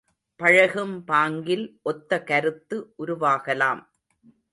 பழகும் பாங்கில் ஒத்த கருத்து உருவாகலாம்.